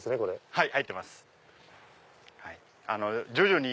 はい。